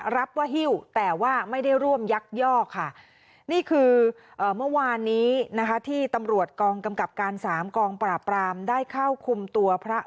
รับว่าหิ้วแต่ว่าไม่ได้ร่วมยักยอกค่ะ